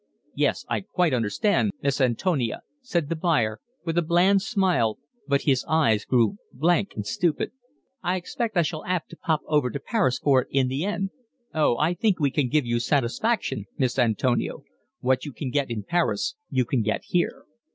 "Yes, I quite understand, Miss Antonia," said the buyer, with a bland smile, but his eyes grew blank and stupid. "I expect I shall 'ave to pop over to Paris for it in the end." "Oh, I think we can give you satisfaction, Miss Antonia. What you can get in Paris you can get here."